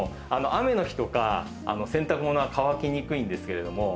雨の日とか洗濯ものは乾きにくいんですけれども。